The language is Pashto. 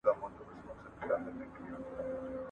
موسيقي واوره؟!